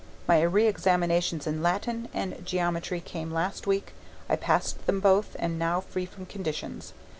My re examinations in Latin and geometry came last week. I passed them both and am now free from conditions.